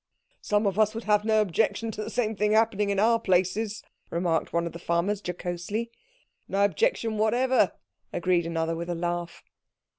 "Some of us would have no objection to the same thing happening at our places," remarked one of the farmers jocosely. "No objection whatever," agreed another with a laugh.